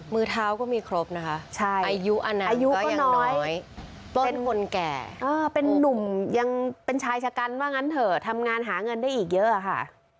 มือเท้าก็มีครบนะคะอายุอันนั้นอายุก็น้อยเป็นคนแก่เป็นนุ่มยังเป็นชายชะกันว่างั้นเถอะทำงานหาเงินได้อีกเยอะค่ะ